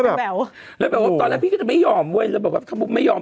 แต่พุทธไม่ยอมคุณไม่ยอม